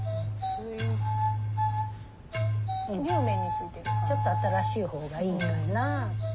にゅうめんについてるちょっと新しい方がいいかな。